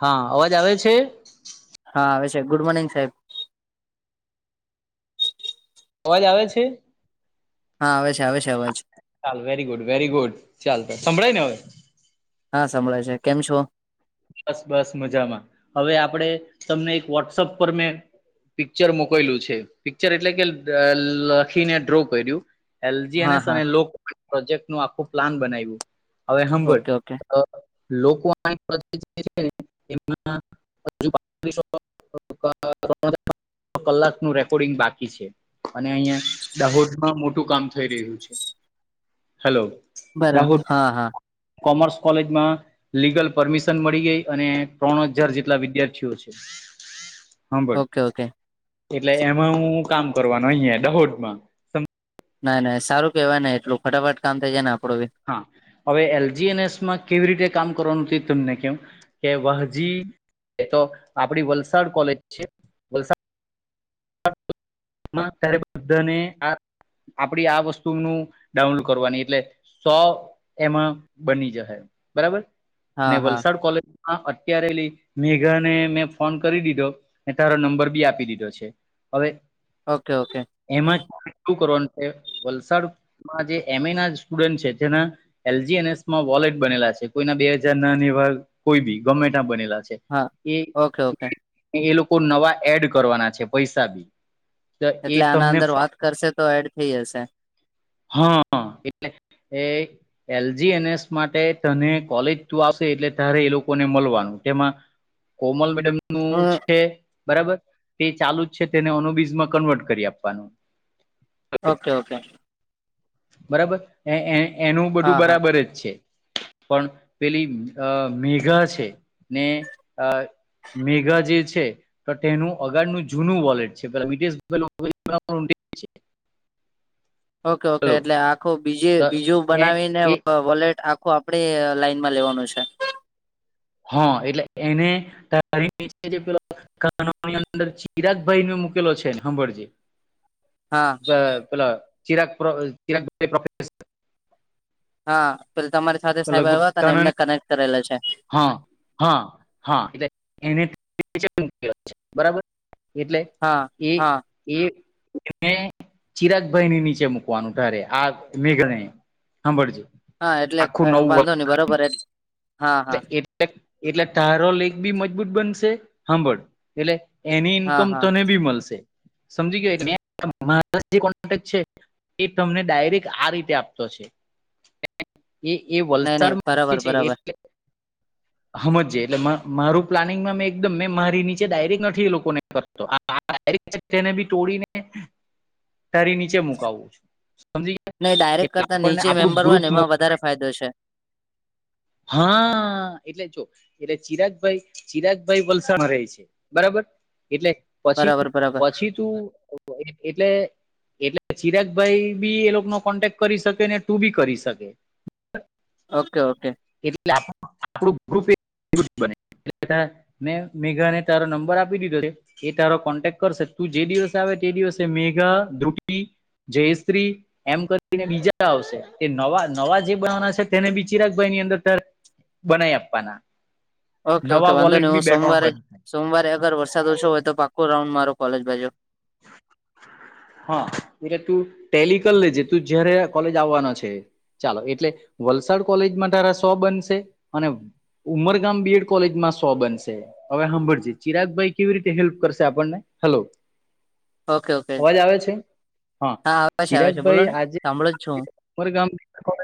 હા અવાજ આવે છે. હા આવે છે ગુડ મોર્નિંગ સાહેબ. અવાજ આવે છે. હા આવે છે આવે છે અવાજ. ચાલ વેરી ગુડ વેરી ગુડ ચાલ તો સંભળાય ને હવે. હા સંભળાય છે કેમ છો. બસ બસ મજામાં હવે આપડે તમને એક વોટ્સઅપ પર મેં પિક્ચર મોકયલું છે પિક્ચર એટલે કે લખીને ડ્રો કર્યું. એલ જી એન હા એસ હા લો પ્રોજેક્ટનું આખું પ્લાન બનાવ્યું હવે હાંભળ ઓકે ઓકે લોકો છે [unintelligible] [unintelligible] કલાકનું રેકોર્ડિંગ બાકી છે. અને અહિયાં દાહોદમાં મોટું કામ થઈ રહ્યું છે હેલો. દાહોદ બરાબર હા હા. કોમર્સ કોલેજમાં લીગલ પરમિશન મળી ગઈ અને ત્રણ હજાર જેટલા વિદ્યાર્થીઓ છે. [inaudible] હાભળ ઓકે એટલે એમાં હું કામ કરવાનું અહીંયા દહોદમાં નાઈ નાઈ સારું કેહેવાય ને એટલું ફટાફટ કામ થઈ જાય ને આપડું બી હા હવે એલ જી એન એસ માં કેવી રીતે કામ કરવાનું તમને કેમ. કે વાહજી તો આપડી વલસાડ કોલેજ છે. વલસાડમાં [inaudible] ત્યારે બધાને આ આપડી આ વસ્તુનું ડાઉનલોડ કરવાની એટલે સો એમાં બની જશે બરાબર હા ને હા વલસાડ કોલેજ હા અત્યારે લઈ મેઘા ને મેં ફોન કરી દીધો અને તારો નંબર બી આપી દીધો છે. હવે. Okay okay. એમાં શું કરવાનું છે વલસાડમાં જે એમ એ ના સ્ટુડન્ટ છે જેના એલજી એન એસમાં વોલેટ બનેલા છે કોઈના બે હજાર ના ને એવા કોઈ બી ગમે તા બનેલા છે. હા ઓકે ઓકે એ લોકો નવા એડ કરવાના છે પૈસા બી. તો એ એટલે આના તમને અંદર વાત કરશે તો એડ થઈ જશે. હા એટલે એ એલ જી એન એસ માટે તને કોલેજ તું આવશે એટલે તારે એ લોકોને મળવાનું તેમાં કોમલ મેડમ નું હમ છે બરાબર તે ચાલુ છે તેને ઓનોબીઝમાં કન્વર્ટ કરી આપવાનું ઓકે ઓકે બરાબર એ એ એનું હા બધું હા બરાબર જ છે. પણ પેલી અ મેઘા છે ને આ મેઘા જે છે. તો તેનું અગારનું જૂનું વોલેટ છે પેલા વિટેસ [unintelligible] ઓકે ઓકે હલો એટલે આખું બીજે બીજું બનાવીને એ વોલેટ આખુ આપડે લાઈનમાં લેવાનું છે. હા એટલે એને તારીનઅંદર [unintelligible] જે પેલો કાનોની અંદર ચિરાગ ભાઈ મૂકેલો છે ને હાભળજે હા. ત પેલા ચિરાક પ્રો ચિરાક પે હા પસી તમારી સાથે સાયેબ લગભગ આયવા તા ને કાના એમને કનેક્ટ કરેલા છે. હા હા હા એને [inaudible] બરાબર એટલે હા એ હા એ એને ચિરાગભાઈની નીચે મૂકવાનું તારે આ મેઘણે હાભળજે હા એટલે વાંધો ની બરોબર એ હા હા વખત એટલે તારો લેક બી મજબૂત બનશે હાંભળ એટલે એની હા ઇન્કમ હા તને બી મલશે. સમજી ગયો મે મારા જે કોન્ટેક છે એ તમને ડાયરેક આ રીતે આપતો છે એ એ નહી નહી વલસાડમાં બરાબર છે એ બરાબર હમજે એટલે મારું પ્લાનિંગમાં મે એકદમ મે મારી નીચે ડાયરેક નથી એ લોકોને કરતો આ ને બી તોડીને તરી નીચે મુકાવું છું સમજી નહી ડાયરેક્ટ ગીયા કરતા આપણને નીચે આપડું મેમ્બર હોય ગ્રુપ ને મો એમાં વધારે ફાયદો છે. હા એટલે જો એટલે ચિરાગભાઈ ચિરાગભાઈ વલસાણમાં રેય છે. બરાબર એટલે પછી બરાબર બરાબર પછી તું એટલે એટલે ચિરાગ ભાઈ બી એ લોક નો કોન્ટેક કરી શકે ને તું બી કરી શકે ઓકે ઓકે એટલે [unintelligible] મેં મેઘાને તારો નંબર આપી દીધો છે. એ તારો કોન્ટેક્ટ કરશે તું જે દિવસે આવે તે દિવસે મેઘા ધ્રુવી જય શ્રી એમ કરીને બીજા આવશે તે નવા નવા જે બનાવાના છે તેને બી ચિરાગભાઈ ની અંદર દર બનાયી આપાના ઓકે ઓકે વાંધો ની હું સોમવારે જ બનશે સોમવારે અગર વરસાદ ઓછો હોય તો પાકું રાઉન્ડ મારો કોલેજ બાજુ હા એટલે તું ટેલિ કરી લેજે તું જયારે કોલેજ આવવાનો છે. ચાલો એટલે વલસાડ કોલેજમાં તારા સો બનશે અને ઉમરગામ બીએડ કોલેજમાં સો બનશે હવે હાંભળ જે ચિરાગભાઈ કેવી રીતે હેલ્પ કરશે આપણને હાલો ઓકે ઓકે અવાજ આવે છે હા આવે છે આવે છે બોલો ચિરાગભાઈ ને આજે સાંભળો જ છું હું ઉમરગામ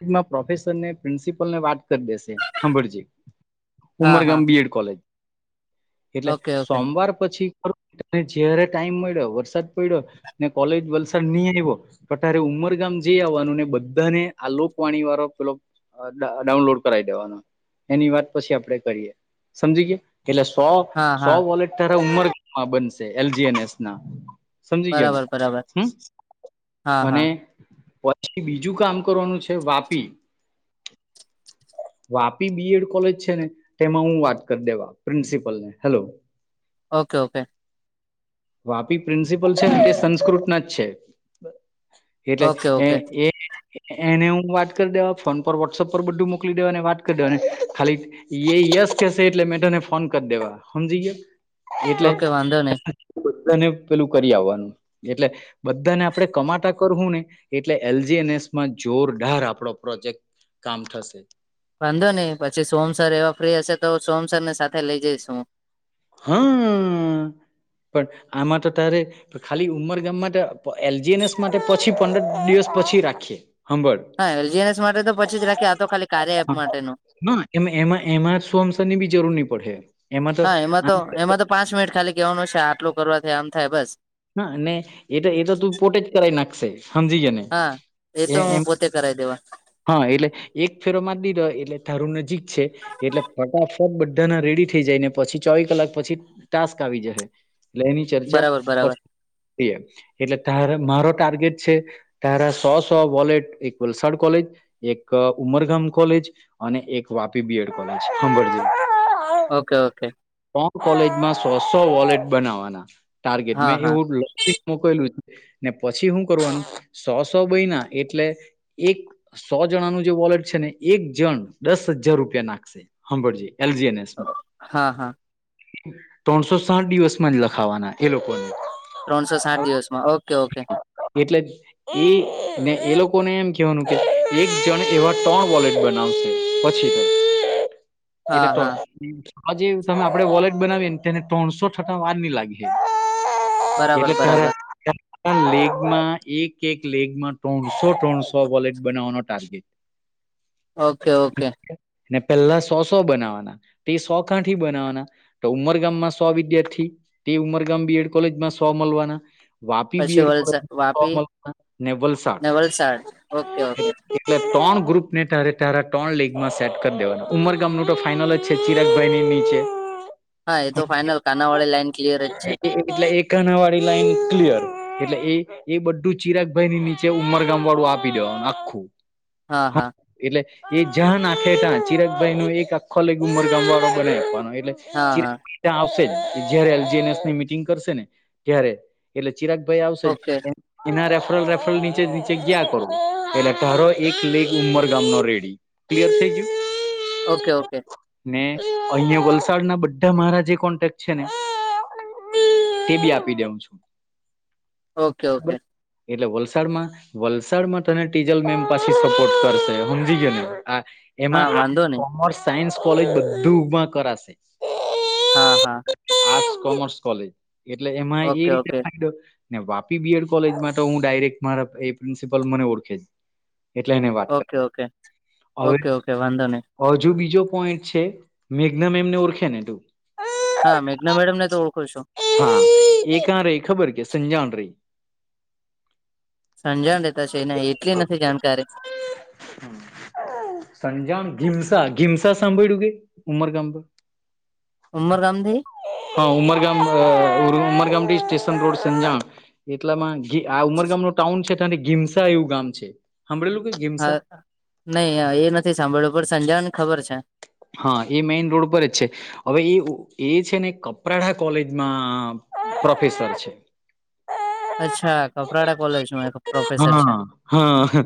લેજમાં પ્રોફેસરને પ્રિન્સિપલ ને વાત કરી દેશે હાંભળ જે હા હા ઉમરગામ બીએડ કોલેજ એટલે ઓકે ઓકે સોમવાર પછી જ્યાંરે ટાઈમ મળ્યો વરસાદ પયડો ને કોલેજ વલસાડ ની આયવો પતારે ઉમરગામ જઈ આવવાનું ને બધાને આ લોકવાણી વારો પેલો ડાઉનલોડ કરાવી દેવાનો એની વાત પછી આપડે કરીએ સમજી ગીયા એટલે સો હા સો હા વોલેટ તારા ઉમરગામમાં બનશે એલજી એન એસ ના સમજી ગયો ને બરાબર બરાબર હમ્મ હા હા અને વલ પછી બીજું કામ કરવાનું છે વાપી વાપી બીએડ કોલેજ છે ને તેમાં હું વાત કરી દેવા પ્રિન્સિપલ ને hello okay okay Vapi principal છે ને તે સંસ્કૃત ના જ છે. એટલે ઓકે ઓકે એ એ એને હું વાત કરી દેવા ફોન પર વોટસઅપ પર બધું મોકલી દેવા ને વાત કરી દેવા ને ખાલી એ યશ કેશે એટલે મે તને ફોન કરી દેવા હમજી ગયો એટલે ઓકે વાંધો નહી બધાને પેલું કરી આવવાનું એટલે બધાને આપડણે કમાટા કરવું ને એટલે એલજી એનએસમાં જોરદાર આપડો પ્રોજેક્ટ કામ થશે. વાંધો નહીં પછી સોહમસર એવા ફ્રી હશે તો સોહમસરને સાથે લઈ જઈશ હું હા. પણ આમાં તો તારે ખાલી ઉમરગામ માટે એલજીએનએસ માટે પછી પંદર દિવસ પછી રાખીએ સાંભળ હા એલજીએનએસ માટે તો પછી જ રાખી તો ખાલી કાર્ય એપ માટેનું એ એમાં એમાં સોહમસની બી જરૂર નહી પડે એમાં તો હા આ તો એમાં તો પાંચ મિનટ ખાલી કેવાનું છે આટલું કરવાથી આમ થાય બસ હા એ તો એ તો તું પોટે જ કરાવાઈ નાખશે સમજી ગે ને હા એ તો હું પોતે કરાવ દેવા હા એટલે એક ફેરો મરી દીધો એટલે તારું જીક છે એટલે ફટાફટ બધાના રેડી થઈ જાય ને પછી ચોવી કલાક પછી ટાસ્ક આવી જહે. એટલે એની ચર્ચા બરાબર બરાબર પછીએ એટલે ત મારો ટાર્ગેટ છે, તારા સો સો વોલેટ એક વલસાડ કોલેજ, એક ઉમરગામ કોલેજ, અને એક વાપી બીએડ કોલેજ હાભળજે ઓકે ઓકે તોણ કોલેજમાં સો સો વોલેટ બનાવવાના ટાર્ગેટ હા મેં હા એવું. મોકેલું છે ને પછી શું કરવાનું સો સો બયના એટલે એક સો જણાનું જે વોલેટ છે ને એક જણ દસ હજાર રૂપિયા નાખશે હાભળજે એલજે ને હા હા ત્રણસો સાઠ દિવસમાં જ લખાવાના એ લોકોને ત્રણસો સાઠ દિવસમાં ઓકે ઓકે એટલે જ એને એ લોકોને એમ કહેવાનું કે એક જણ એવા ત્રણ વોલેટ બનાવશે [inaudible] [inaudible] એટલે તો હા આ જે તમે આપડે વોલેટ બનાવીએ ને તેને ત્રણસો થતા વાર ની લાગે હ બરાબર બરાબર લેગમાં એક એક લેગમાં ત્રણસો ત્રણસો બોલેટ બનાવવાનો ટાર્ગેટ ઓકે ઓકે પેલા સોસો બનાવાના તે સો કાંઠી બનાવવાના તો ઉમરગામમાં સો વિદ્યાર્થી, તે ઉમરગામ બીએડ કોલેજમાં સો મળવાના, વાપી પછી બીએડ કોલેજ વલસા વાપી માંથી ને વલસાડ ને વલસાડ ઓકે ઓકે એટલે ત્રણ ગ્રુપ ને તારે તારા ત્રણ લેગમાં સેટ કરી દેવાના ઉમરગામ નુ તો ફાઈનલ જ છે ચિરાગભાઈની નીચે હા એ તો હમજી ફાઈનલ ગયા કાનાવાડી લાઈન ક્લિયર જ છે. એટલે એક કાનાવાળી લાઈન ક્લિયર એટલે એ એ બધું ચિરાગભાઈની નીચે ઉમરગામ વાળું આપી દેવાનું આખું હા હમ. હા એટલે એ જા આખે તા ચિરગભાઈ નું એક આખો લ ઉમર ગામવાળો બને આપવાનો એટલે હા હા ચિરાગભાઈ ત્યાં આવશે જ જયારે એલજીનસ મની મિટિંગ કરશે ને ત્યારે ચિરાગ ભાઈ આવશે ઓકે એમ એના રેફરલ રેફરલ નીચે નીચે ગયા કરું એટલે તારો એક લેગ ઉંમર ગામનો રેડી ક્લિયર થઈ ગયું. ઓકે ઓકે ને અહિયાં વલસાડ ના બધા મારા જે કોન્ટેક્ટ છે ને તે બી આપી દેઉં છું ઓકે ઓકે એટલે વલસાડમાં વલસાડમાં તને ટીજલ મેમ પાછી સપોર્ટ કરશે સમજી ગયો ને હા એમાં આર્ટ વાંધો નહી કોમર્સ સાયન્સ કોલેજ બધું ઊભા કરાશે હા. આર્ટસ કોમર્સ કોલેજ એટલે એમાં એ ઓકે રીતે, okay Vapi B Ed college હું ડાયરેક્ટ મારા એ પ્રિન્સિપલ મને ઓળખે છે. એટલે એને વાત કર ઓકે ઓકે હવે, ઓકે ઓકે વાંધો નહી હજુ બીજો પોઈન્ટ છે મેઘના મેમને ઓળખે ને તું, હા મેઘના મેડમ ને તો ઓળખું છું. હા એ કયા રહે ખબર કે સંજાણ રહે. સંજાણ રહેતા છે એને એટલી નથી જાણકારી, સંજાણ ઘીમસા સાંભળું કેે ઉમરગામ. ઉમરગામથી, હા ઉમરગામ સ્ટેશન રોડ છે ત્યાં. એટલામાં આ ઉમરગામનું ટાઉન છે તો ઘીમસા એવું ગામ છે. સાંભળેલું કે [unintelligible] હા નહી એ નથી સાંભળ્યું પણ સંજાણ ખબર છે. હા એ મેઈન રોડ પર જ છે. હવે એ છે ને કપરાડા કોલેજમાં પ્રોફેસર છે. અચ્છા કપરાડા કોલેજમાં એ પ્રોફેસર છે. હા હા.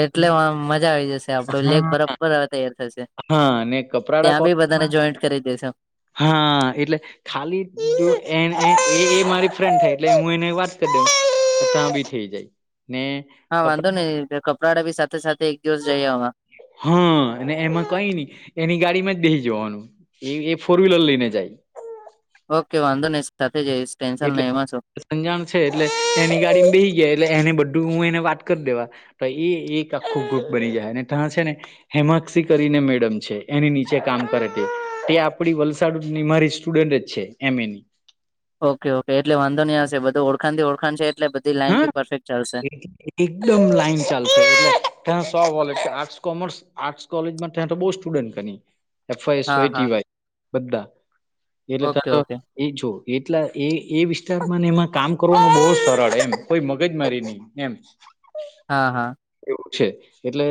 એટલે મજા આવી જશે આપડો હા લેબ બરાબર તૈયાર થશે. હા ને કપરાડા ત્યાં કોલેજ પણ બધાને જોઈન્ટ કરી દેસે, હા એટલે, ખાલી મારી ફ્રેન્ડ થાય એટલે હું એને વાત કરી દઉં. તો ત્યાં પણ થઈ જાય ને, હા વાંધો કપડા નહી કપરાડા પણ સાથે સાથે એક દિવસ જઈ આવા. હા અને એમાં, કઈ નહી એની ગાડીમાં જ બેસી જવાનું એ ફોર વ્હીલર લઈને જાય. ઓકે વાંધો નઇ ટેન્સન એટલે એમાં શું. સંજાણ છે એટલે એની ગાડી બેસી ગયા એટલે એને બધું હું એને વાત કરી દેવા. તો એ એક આખું ગ્રુપ બની જાય અને ત્યાં છે ને, હેમાક્ષી કરીને મેડમ છે એની નીચે કામ કરે છે તે આપડી વલસાડ નિમારી, સ્ટુડન્ટ છે એમ. એ ના, ઓકે એટલે વાંધો નહી હશે બધું ઓળખણ થી ઓળખણ છે એટલે, બધી લાઈન હા. બી પરફેક્ટ ચાલશે એકદમ લાઈન ચાલશે એટલે ત્યાં કઈશ આર્ટસ, કોમર્સ. આર્ટસ કોલેજમાં ત્યાં તો બહુ સ્ટુડન્ટની, એફવાય, હા હા ટીવાય બધા એટલે ઓકે ત્યાં તો, ઓકે એ જો એટલા એ વિસ્તારમાંને એમાં કામ કરવાનું બહુ સરળ એમ, કોઈ મગજ મારી નહી એમ. હા. એવું છે એટલે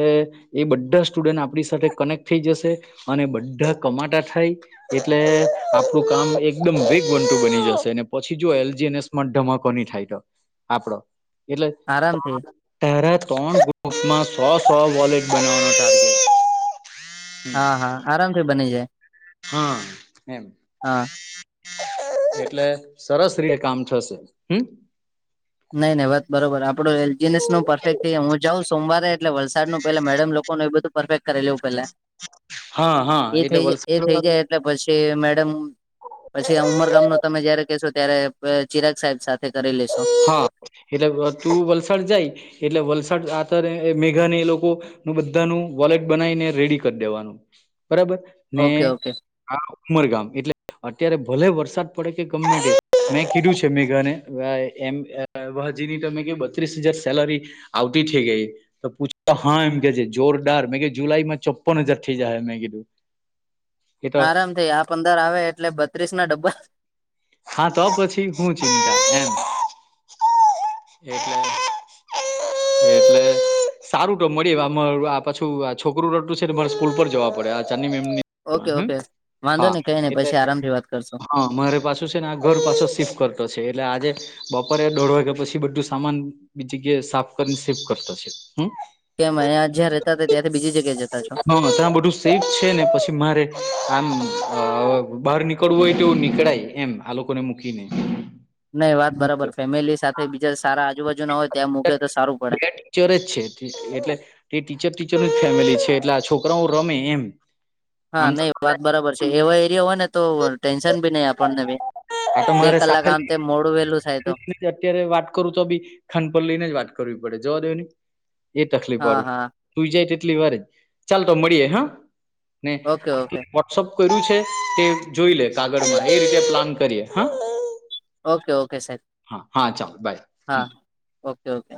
એ બધા સ્ટુડન્ટ આપણી સાથે કનેક્ટ થઈ જશે. અને બધા કમાતા થાય, એટલે આપણું કામ એકદમ વિગટુ બની જશે અને પછી જો એલજી, ધમાકો નહી થાય તો આપડો એટલે, આરામથી તારા ત્રણ ગ્રુપમાં સો સો વોલેટ બનાવવા. હા આરામથી બની જાય. હા એમ, હા. એટલે સરસ રીતે કામ થશે હમ. નહી વાત બરોબર આપડું એલજીનેસ નું પરફેક્ટ થઈ હું જાઉં સોમવારે એટલે વલસાડ નું પેલા મેડમ લોકોનું એ બધું, પરફેક્ટ કરી લેવું પેલા હા હા એટલે એ વલસાડ થઈ વાળું જાય એટલે પછી મેડમ, પછી ઉંમરગામ ન તમે જયારે કહેશો ત્યારે ચિરાગ સાહેબ સાથે કરી લેશો. હા એટલે તું વલસાડ જાય એટલે વલસાડ આત્યારે મેઘા ને એ લોકો નુ બધાનું વોલેટ બનાવીને રેડી કરી દેવાનું બરાબર ને ઓકે ઓકે હા ઉમરગામ એટલે અત્યારે ભલે વરસાદ પડે કે ગમ તે મેં કીધું છે મેઘાને આ એમ [unintelligible] તમે કે બત્રીસ હજાર સેલરી આવતી થઈ ગઈ. તો પૂછ હા એમ કે છે જોરદાર મેં કે જુલાઈ માં ચોપના હજાર થઈ જાય મેં કીધું. એ તો આરામ થઇ આ પંદર આવે એટલે બત્રીસ ના ડબ્બલ ખાતો પછી હું ચિંતા એમ એટલે [unintelligible] સારું તો મળી આ માં પાછું આ છોકરું રડતું છે ને મારે સ્કૂલ પર જવા પડે આ ચાંદની મેમ ની હામ ઓકે ઓકે વાંધો હા નઈ કઈ નઈ એટલે પછી આરામથી વાત કરશો હા મારે પાસ છે ને આ ઘર પાછો શિફ્ટ કરતો છે એટલે આજે બપોરે દોઢ વાગ્યા પછી બધું સામાન બી જગ્યાએ સાફ કરીને સેફ કરતા શે હામ. કેમ અહીંયા જ્યાં રહેતા હતા ત્યાંથી બીજી જગ્યાએ જતા છો. હા ત્યા આ બધું સેફ છે ને પછી મારે આમ આ બહાર નીકળવું હોય તોવું નીકળાય. એમ આ લોકો ને મૂકીને. નહી વાત બરાબર ફેમિલી સાથે બીજા સારા આજુબાજુ ના હોય ત્યાં મૂકે તો સારું પડે. [unintelligible] જ છે એટલે એ ટીચર ટીચરનું જ ફેમિલી છે એટલે આ છોકરાઓ રમે એમ. હા આમ તો નહી વાત બરાબર છે એવા એરિયા હોય ને તો ટેન્શન ભી નહી આપણને ભી. આ તો બે મારે કલાક સાથે આમતે મોડું વેલું થાય તો [unintelligible] અત્યારે વાત કરું તો બી ખાન પર લઈને જ વાત કરવી પડે જવા દેવ ને. એ તકલીફ હા વાળું હા તું જાય તેટલી વાર જ ચાલ તો મળીએે હા. ને ઓકે આમ તો ઓકે વોટ્સઅપ કર્યું છે તે જોઈ લે કાગળમાં એ રીતે પ્લાન કરીએ હા. Okay okay sir. હા હા ચાલો બાય હમ. Okay okay.